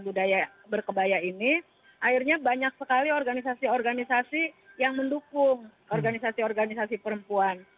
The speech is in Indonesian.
budaya berkebaya ini akhirnya banyak sekali organisasi organisasi yang mendukung organisasi organisasi perempuan